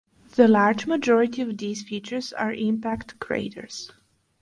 The large majority of these features are impact craters.